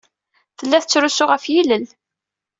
Tella tettrusu ɣef yilel.